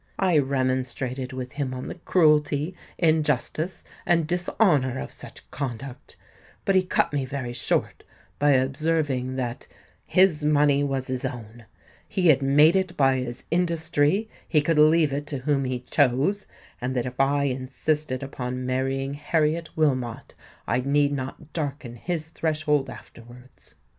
I remonstrated with him on the cruelty, injustice, and dishonour of such conduct; but he cut me very short by observing that '_his money was his own—he had made it by his industry—he could leave it to whom he chose—and that if I insisted upon marrying Harriet Wilmot I need not darken his threshold afterwards_.'